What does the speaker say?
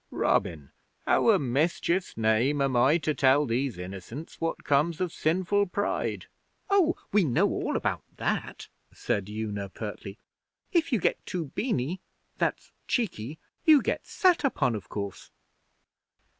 'Robin, how a' mischief's name am I to tell these innocents what comes of sinful pride?' 'Oh, we know all about that,' said Una pertly. 'If you get too beany that's cheeky you get sat upon, of course.'